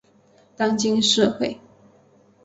当今社会